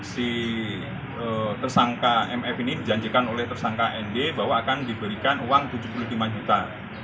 si tersangka mf ini dijanjikan oleh tersangka nd bahwa akan diberikan uang tujuh puluh lima juta